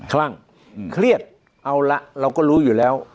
คลั่งเครียดเอาละเราก็รู้อยู่แล้ว